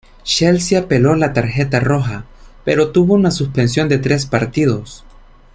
Chelsea apeló la tarjeta roja, pero tuvo una suspensión de tres partidos.